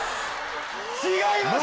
違います！